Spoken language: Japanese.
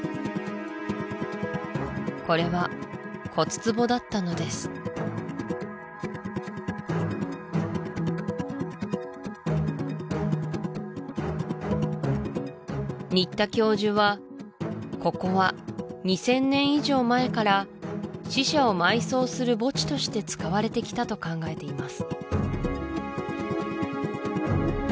これは骨壺だったのです新田教授はここは２０００年以上前から死者を埋葬する墓地として使われてきたと考えています